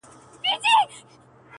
ويني ته مه څښه اوبه وڅښه.